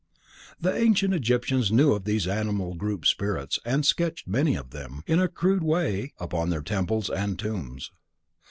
The ancient Egyptians knew of these animal group spirits and sketched many of them, in a crude way, upon their temples and tombs.